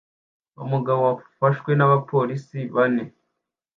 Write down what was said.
Umugabo wafashwe n'abapolisi bane